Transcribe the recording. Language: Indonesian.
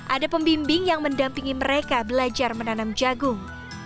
ada pembimbing yang mendampingi mereka belajar menanam jagung